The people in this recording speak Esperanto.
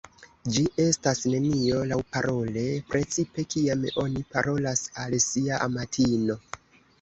Ĝi estas nenio laŭparole, precipe kiam oni parolas al sia amatino.